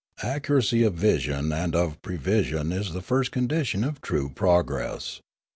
Accuracy of vision and of prevision is the first condition of true progress.